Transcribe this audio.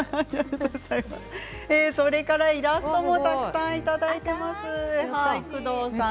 それからイラストもたくさんいただいています。